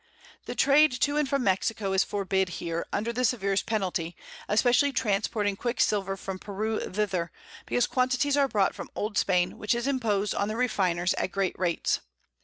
The Trade to and from Mexico is forbid here, under the severest Penalty, especially transporting Quick silver from Peru thither, because Quantities are brought from Old Spain, which is impos'd on the Refiners at great Rates.